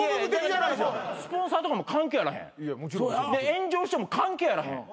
炎上しても関係あらへん。